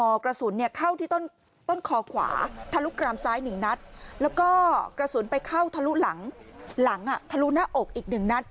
กระสุนเข้าที่ต้นคอขวาทะลุกรามซ้ายหนึ่งนัดแล้วก็กระสุนไปเข้าทะลุหลังหลังทะลุหน้าอกอีกหนึ่งนัด